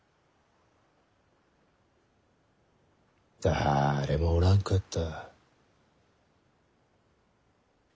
だれもおらんかった。